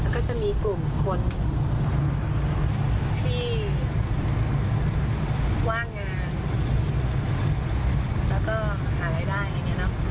ก็จะมีกลุ่มคนที่ว่างานแล้วก็หารายได้อย่างเงี้ยน้ำ